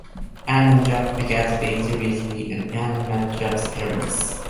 Ann and Jeff begin to date seriously, and Ann meets Jeff's parents.